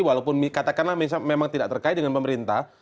walaupun katakanlah memang tidak terkait dengan pemerintah